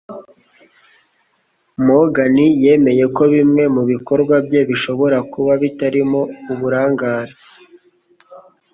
Morgan yemeye ko bimwe mu bikorwa bye bishobora kuba bitarimo uburangare,